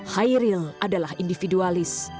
hairil adalah individualis